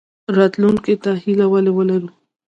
راتلونکي ته هیله ولې ولرو؟